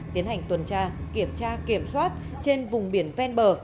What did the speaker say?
tiến hành tuần tra kiểm tra kiểm soát trên vùng biển ven bờ